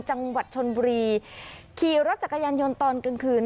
จังหวัดชนบุรีขี่รถจักรยานยนต์ตอนกลางคืน